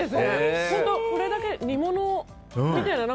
本当、これだけで煮物みたいな。